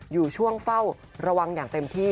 อยู่ช่วงเฝ้าระวังอย่างเต็มที่